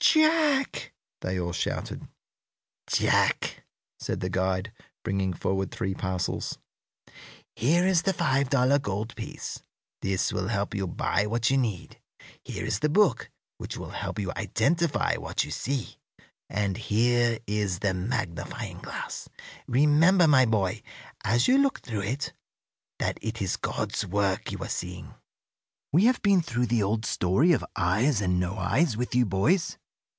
"Jack!" they all shouted. "Jack," said the guide, bringing forward three parcels, "here is the five dollar gold piece this will help you buy what you need; here is the book, which will help you to identify what you see; and here is the magnifying glass. Remember, my boy, as you look through it, that it is God's work you are seeing. We have been through the old story of 'Eyes and No Eyes' with you boys.